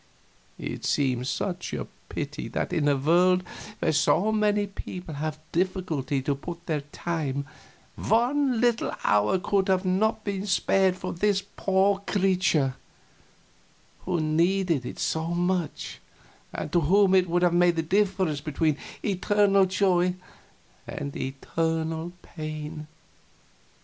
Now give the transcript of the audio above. It seemed such a pity that in a world where so many people have difficulty to put in their time, one little hour could not have been spared for this poor creature who needed it so much, and to whom it would have made the difference between eternal joy and eternal pain.